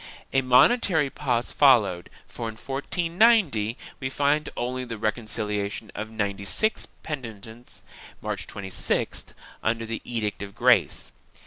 A momentary pause followed, for, in 1490, we find only the reconciliation of ninety six penitents, March 26th, under the Edict of Grace.